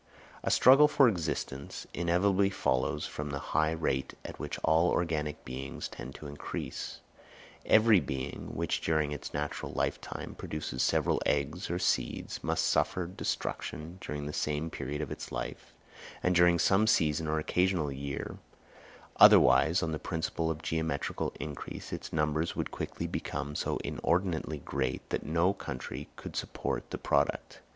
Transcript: _ A struggle for existence inevitably follows from the high rate at which all organic beings tend to increase. Every being, which during its natural lifetime produces several eggs or seeds, must suffer destruction during some period of its life, and during some season or occasional year, otherwise, on the principle of geometrical increase, its numbers would quickly become so inordinately great that no country could support the product.